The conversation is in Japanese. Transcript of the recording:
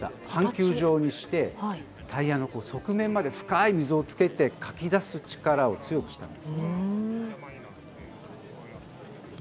半球状にしてタイヤの側面まで深い溝をつけてかき出す力を強くしたんです。